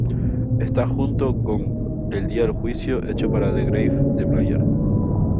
Estas junto con "El día del Juicio" hecho para "The Grave" de Blair.